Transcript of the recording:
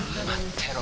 てろ